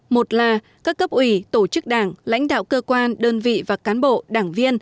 một là các cấp ủy tổ chức đảng lãnh đạo cơ quan đơn vị và cán bộ đảng viên